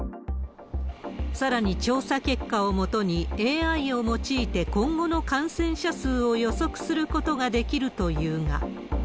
さらに調査結果をもとに、ＡＩを用いて今後の感染者数を予測することができるというが。